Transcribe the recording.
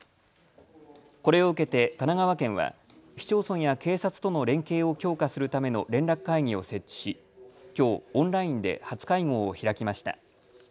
これを受けて神奈川県は市町村や警察との連携を強化するための連絡会議を設置しきょう、オンラインで初会合を開きました。